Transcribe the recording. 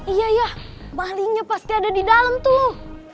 iya iya malingnya pasti ada di dalam tuh